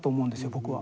僕は。